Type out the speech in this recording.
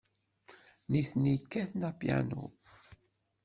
Nitni kkaten apyanu.